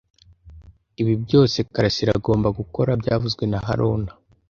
Ibi byose Karasira agomba gukora byavuzwe na haruna